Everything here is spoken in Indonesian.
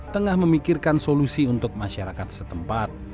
tengah memikirkan solusi untuk masyarakat setempat